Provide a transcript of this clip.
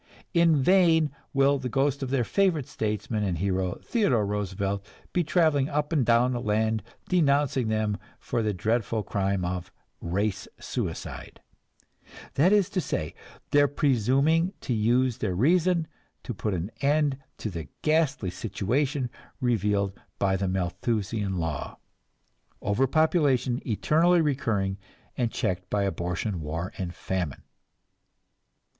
In vain will the ghost of their favorite statesman and hero, Theodore Roosevelt, be traveling up and down the land, denouncing them for the dreadful crime of "race suicide" that is to say, their presuming to use their reason to put an end to the ghastly situation revealed by the Malthusian law, over population eternally recurring and checked by abortion, war and famine!